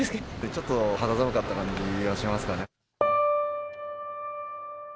ちょっと肌寒かった感じはしますかね。